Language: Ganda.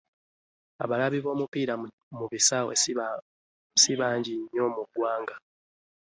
Abalabi b'omupiira mu bisaawe si bangi nnyo mu ggwanga.